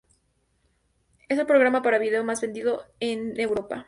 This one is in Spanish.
Es el programa para vídeo más vendido en Europa.